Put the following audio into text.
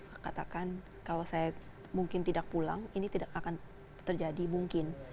saya katakan kalau saya mungkin tidak pulang ini tidak akan terjadi mungkin